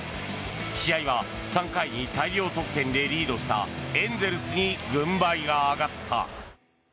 試合は３回に大量得点でリードしたエンゼルスに軍配が上がった。